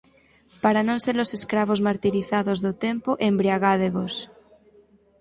Para non se-los escravos martirizados do Tempo, embriagádevos;